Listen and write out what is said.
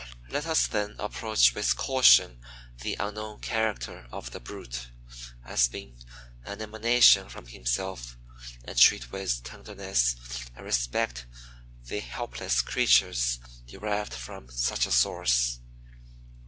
Let us then approach with caution the unknown character of the brute, as being an emanation from Himself; and treat with tenderness and respect the helpless creatures derived from such a source.